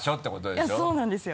いやそうなんですよ。